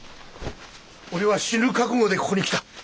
俺は死ぬ覚悟でここに来た。